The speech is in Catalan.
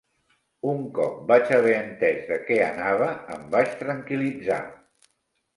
Un cop vaig haver entès de què anava em vaig tranquil·litzar.